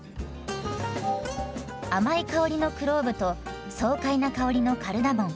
甘い香りのクローブと爽快な香りのカルダモン。